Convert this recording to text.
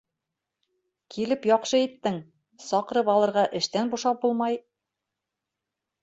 Килеп яҡшы иттең, саҡырып алырға эштән бушап булмай...